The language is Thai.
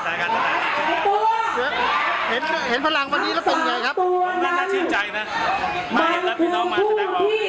ทางหน้าเพื่อยานว่าภาษาหน้าของโลกใดที่ฝากเรื่องระหว่างฝากตัวออกฝากตัวออก